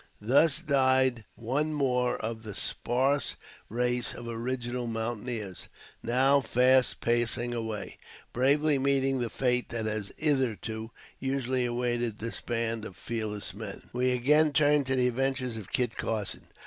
Thus died one more of the sparse race of original mountaineers, now fast passing away, bravely meeting the fate that has hitherto usually awaited this band of fearless men. We again turn to the adventures of Kit Carson.